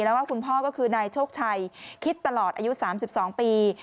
แล้วก็คุณพ่อก็คือนายโชคชัยคิดตลอดอายุ๓๒ปี